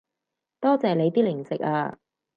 多謝你啲零食啊